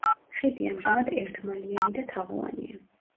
ხიდი ამჟამად ერთმალიანი და თაღოვანია.